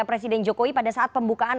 presiden jokowi pada saat pembukaan